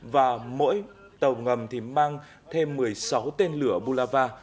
và mỗi tàu ngầm mang thêm một mươi sáu tên lửa bulava